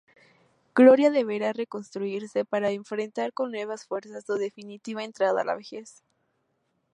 Gloria deberá reconstruirse para enfrentar con nuevas fuerzas su definitiva entrada a la vejez.